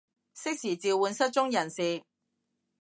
適時召喚失蹤人士